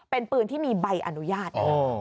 เป็นปืนที่มีใบอนุญาตด้วย